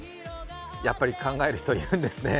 やっぱり考える人、いるんですね。